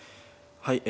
はい。